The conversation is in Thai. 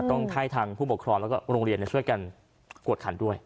ต้องให้ทางผู้ปกครองแล้วก็โรงเรียนช่วยกันกวดขันด้วย